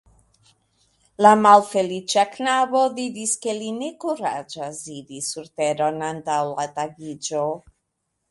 La malfeliĉa knabo diris, ke li ne kuraĝas iri surteron antaŭ la tagiĝo.